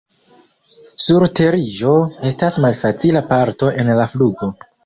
Surteriĝo estas malfacila parto en la flugo.